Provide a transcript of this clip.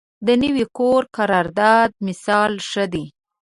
د نوي کور قرارداد مثال ښه دی.